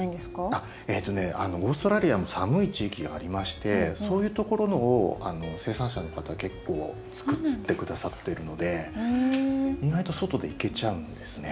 あっえとねオーストラリアも寒い地域がありましてそういうところのを生産者の方結構作って下さってるので意外と外でいけちゃうんですね。